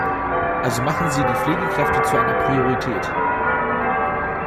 Also machen Sie die Pflegekräfte zu einer Priorität.